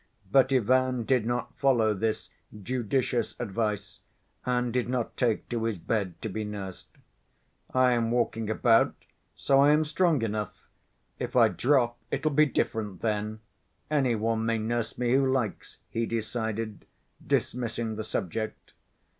But Ivan did not follow this judicious advice and did not take to his bed to be nursed. "I am walking about, so I am strong enough, if I drop, it'll be different then, any one may nurse me who likes," he decided, dismissing the subject.